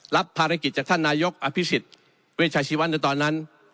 รับภารกิจจากท่านนายกอภิษฎเวชาชีวะในตอนนั้น